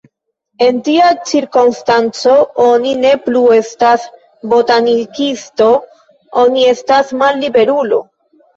En tia cirkonstanco, oni ne plu estas botanikisto, oni estas malliberulo.